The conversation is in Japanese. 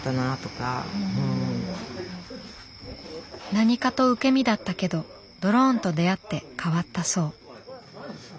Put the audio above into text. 何かと受け身だったけどドローンと出会って変わったそう。